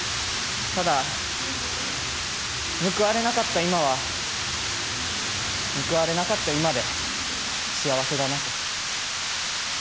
ただ報われなかった今は報われなかった今で幸せだなと。